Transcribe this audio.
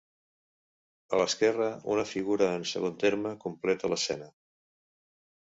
A l'esquerre una figura en segon terme completa l'escena.